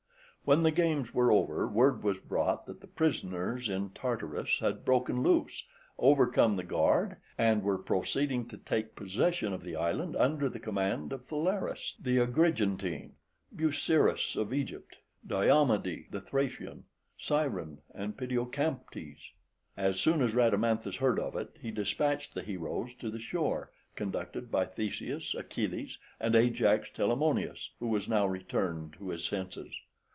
When the games were over word was brought that the prisoners in Tartarus had broken loose, overcome the guard, and were proceeding to take possession of the island under the command of Phalaris the Agrigentine, {127a} Busiris of Egypt, {127b} Diomede the Thracian, {128a} Scyron, {128b} and Pityocamptes. As soon as Rhadamanthus heard of it he despatched the heroes to the shore, conducted by Theseus, Achilles, and Ajax Telamonius, who was now returned to his senses.